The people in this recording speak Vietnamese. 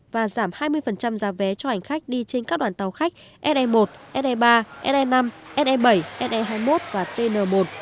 và giảm hai mươi giá vé cho hành khách đi trên các đoàn tàu khách se một se ba se năm se bảy se hai mươi một và tn một